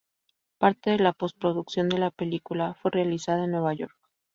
Parte de la posproducción de la película fue realizada en Nueva York.